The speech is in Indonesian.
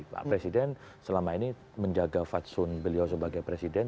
pak presiden selama ini menjaga fatsun beliau sebagai presiden